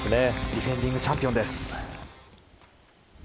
ディフェンディングチャンピオンです。